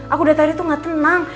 aku dari tadi tuh gak tenang